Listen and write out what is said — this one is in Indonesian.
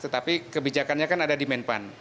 tetapi kebijakannya kan ada di menpan